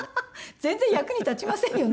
全然役に立ちませんよね